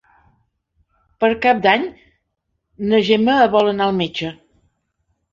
Per Cap d'Any na Gemma vol anar al metge.